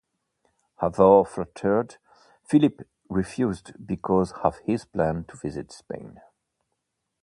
Although flattered, Philip refuses because of his plans to visit Spain.